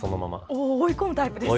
おお追い込むタイプですね。